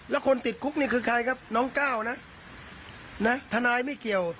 แล้วคนติดคุกนี่คือใครครับน้องก้าวนะทนายไม่เกี่ยว